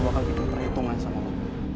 gue akan gitu terhitungan sama lo